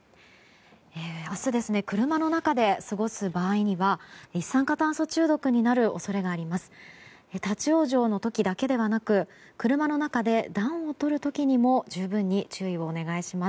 明日、車の中で過ごす場合には一酸化炭素中毒になる恐れがあります。